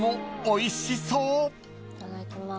いただきます。